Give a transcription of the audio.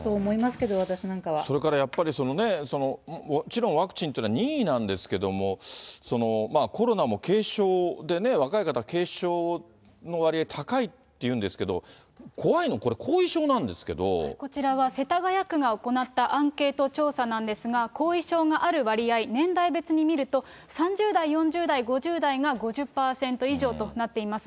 けれそれからやっぱりもちろんワクチンというのは任意なんですけれども、コロナも軽症で、若い方は軽症の割合高いっていうんですけど、怖いのはこれ、こちらは世田谷区が行ったアンケート調査なんですが、後遺症がある割合、年代別に見ると、３０代、４０代、５０代が５０％以上となっています。